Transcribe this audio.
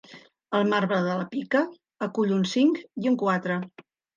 El marbre de la pica acull un cinc i un quatre.